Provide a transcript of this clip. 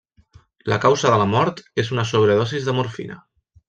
La causa de la mort és una sobredosi de morfina.